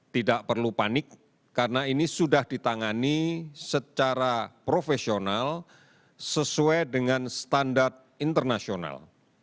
tidak perlu panik karena ini sudah ditangani secara profesional sesuai dengan standar internasional